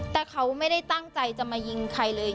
แต่เขาไม่ได้ตั้งใจจะมายิงใครเลย